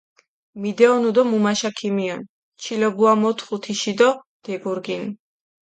მიდეჸონუ დო მუმაშა ქიმიჸონ, ჩილობუა მოთხუ თიში დო დეგურგინუ.